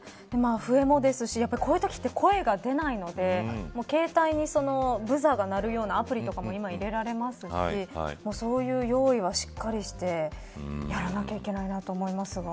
笛もですし、こういうときって声も出ないので携帯にブザーが鳴るようなアプリとかも今入れられますのでそういう用意はしっかりしてやらなきゃいけないなと思いますが。